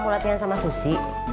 mau latihan sama susi